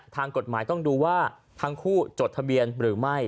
ทางกฎหมายต้องดูว่าทั้งคู่จดทะเบียนหรือไม่